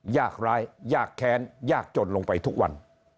ยากร้ายยากแค้นยากจนลงไปทุกวัน